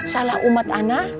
salah umat anak